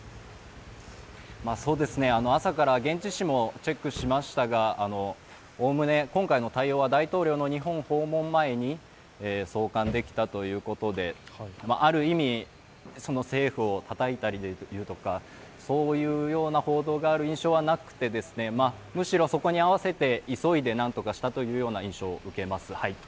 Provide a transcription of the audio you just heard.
朝から現地紙もチェックしましたが、おおむね今回の対応は大統領の日本訪問前に送還できたということで、ある意味政府をたたいたりという報道がある印象はなくて、むしろそこに合わせて急いでなんとかしたという印象を受けます。